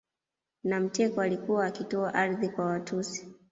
Na mteko alikuwa akitoa ardhi kwa Watusi